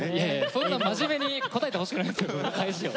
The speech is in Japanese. そんな真面目に答えてほしくないんすよ返しを。